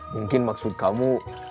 mungkin maksud kamu